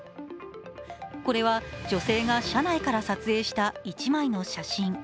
これは女性が車内から撮影した一枚の写真。